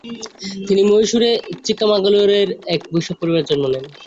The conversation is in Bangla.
তিনি মহীসূরে চিক্কামাগালুরে এক বৈষ্ণব পরিবারে জন্ম নেন।